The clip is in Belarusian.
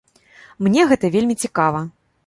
Мне гэта вельмі цікава.